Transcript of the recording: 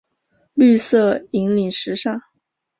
绿色引领时尚。